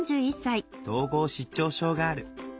統合失調症がある。